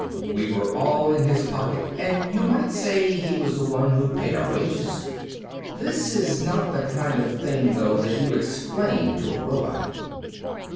We were all in his pocket and you might say he was the one who paid our wages. This is not the kind of thing, though, that you explain to a robot.